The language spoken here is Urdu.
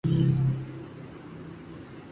تم نے میرا حق مارا ہے